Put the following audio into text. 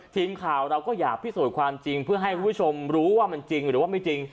ทีมข่าวเราก็อยากพิสูจน์ความจริงเพื่อให้คุณผู้ชมรู้ว่ามันจริงหรือว่าไม่จริง